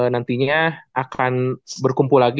nantinya akan berkumpul lagi